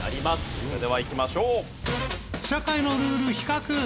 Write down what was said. それではいきましょう。